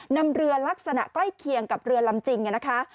นำเรือลักษณะใกล้เคียงกับเรือลำจริงนะคะ